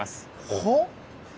はっ？